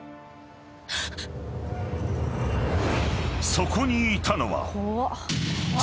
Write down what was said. ［そこにいたのは張］